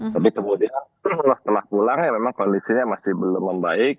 tapi kemudian setelah pulang ya memang kondisinya masih belum membaik